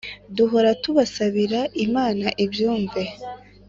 duhora tubasabira imana ibyumve